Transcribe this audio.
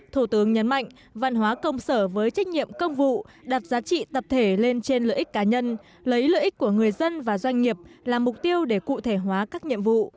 thủ tướng nhấn mạnh văn hóa công sở với trách nhiệm công vụ đặt giá trị tập thể lên trên lợi ích cá nhân lấy lợi ích của người dân và doanh nghiệp là mục tiêu để cụ thể hóa các nhiệm vụ